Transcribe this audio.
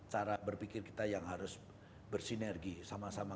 cara berpikir kita yang harus bersinergi sama sama